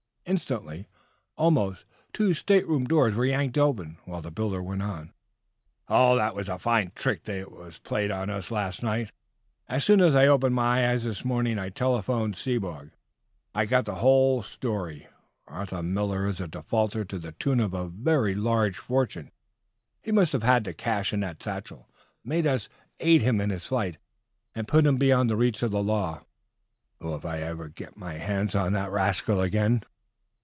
Instantly, almost, two state room doors were yanked open, while the builder went on: "Oh, that was a fine trick that was played on us last night. As soon as I opened my eyes this morning I telephoned to Sebogue. I got the whole story. Arthur Miller is a defaulter to the tune of a very large fortune. He must have had the cash in that satchel. And he made us tools of his! Made us aid him in his flight, and put him beyond the reach of the law! Oh, if I should ever get my hands on that rascal again!"